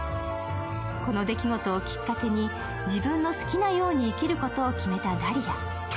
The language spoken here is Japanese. この出来事をきっかけに、自分の好きなように生きることを決めたダリヤ。